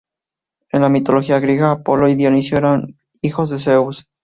En la mitología griega, Apolo y Dioniso eran hijos de Zeus.